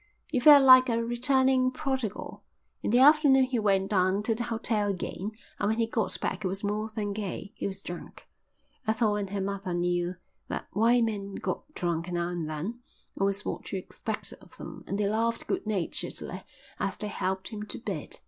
He felt like a returning prodigal. In the afternoon he went down to the hotel again and when he got back he was more than gay, he was drunk. Ethel and her mother knew that white men got drunk now and then, it was what you expected of them, and they laughed good naturedly as they helped him to bed.